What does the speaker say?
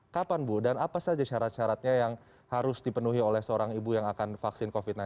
kapan bu dan apa saja syarat syaratnya yang harus dipenuhi oleh seorang ibu yang akan vaksin covid sembilan belas